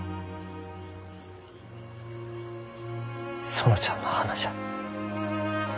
園ちゃんの花じゃ。